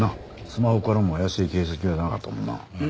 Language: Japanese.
スマホからも怪しい形跡はなかったもんな。